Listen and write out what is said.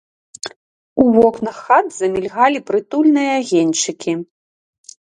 У вокнах хат замільгалі прытульныя агеньчыкі.